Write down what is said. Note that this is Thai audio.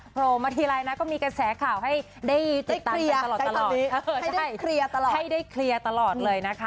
โปรมาทีละนะก็มีกระแสข่าวให้ได้ติดตามให้ได้เคลียร์ตลอดเลยนะคะ